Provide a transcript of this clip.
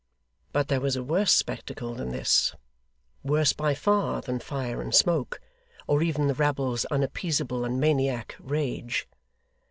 But there was a worse spectacle than this worse by far than fire and smoke, or even the rabble's unappeasable and maniac rage.